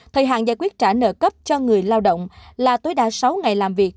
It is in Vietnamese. thời hạn giải quyết trả nợ cấp cho người lao động là tối đa sáu ngày làm việc